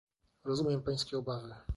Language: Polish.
Rozumiem pańskie obawy